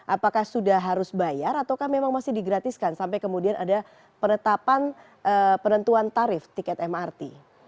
apakah sudah harus bayar atau memang masih digratiskan sampai kemudian ada penetapan penentuan tarif tiket mrt